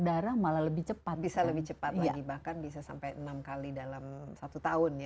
darah malah lebih cepat bisa lebih cepat lagi bahkan bisa sampai enam kali dalam satu tahun ya